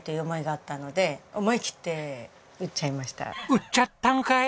売っちゃったんかい！